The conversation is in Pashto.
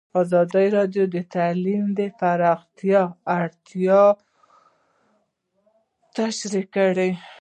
ازادي راډیو د تعلیم د پراختیا اړتیاوې تشریح کړي.